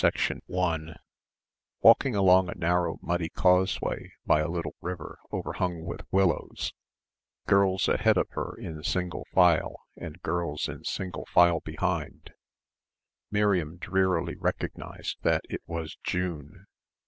CHAPTER VIII 1 Walking along a narrow muddy causeway by a little river overhung with willows, girls ahead of her in single file and girls in single file behind, Miriam drearily recognised that it was June.